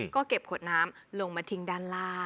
แก้ปัญหาผมร่วงล้านบาท